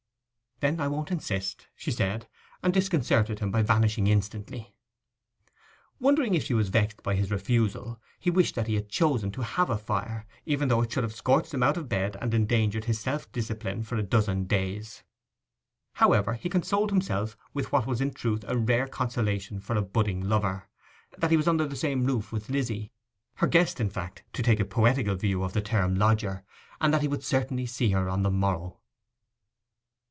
'Then I won't insist,' she said, and disconcerted him by vanishing instantly. Wondering if she was vexed by his refusal, he wished that he had chosen to have a fire, even though it should have scorched him out of bed and endangered his self discipline for a dozen days. However, he consoled himself with what was in truth a rare consolation for a budding lover, that he was under the same roof with Lizzy; her guest, in fact, to take a poetical view of the term lodger; and that he would certainly see her on the morrow.